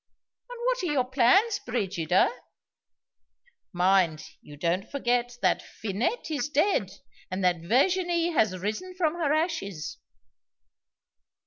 And what are your plans, Brigida? (Mind you don't forget that Finette is dead, and that Virginie has risen from her ashes.)